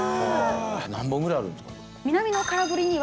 何本ぐらいあるんですか？